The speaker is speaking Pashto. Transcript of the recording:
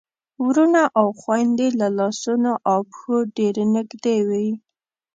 وروڼه او خويندې له لاسونو او پښو ډېر نږدې وي.